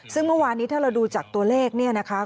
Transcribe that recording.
ซึ่งเมื่อวานนี้ถ้าเราดูจากตัวเลขเนี่ยนะคะ